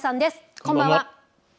こんばんは。